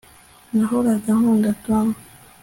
nahoraga nkunda tom